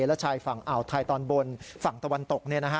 และชายฝั่งอ่าวไทยตอนบนฝั่งตะวันตก